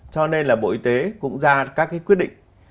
cho nên là bộ y tế cũng ra các cái quyết định